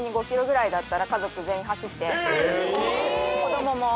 子供も。